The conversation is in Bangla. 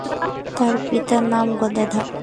তার পিতার নাম গদাধর।